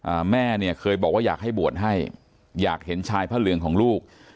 อ่าแม่เนี่ยเคยบอกว่าอยากให้บวชให้อยากเห็นชายพระเหลืองของลูก